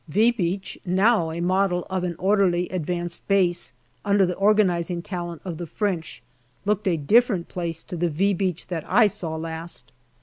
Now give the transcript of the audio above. " V " Beach, now a model of an orderly advanced base, under the organizing talent of the French, looked a different place to the " V " Beach that I saw last.